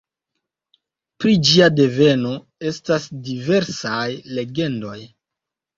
Pri ĝia deveno estas diversaj legendoj.